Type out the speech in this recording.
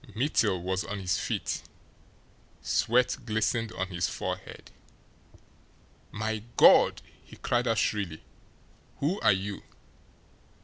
Mittel was on his feet sweat glistened on his forehead. "My God!" he cried out shrilly. "Who are you?"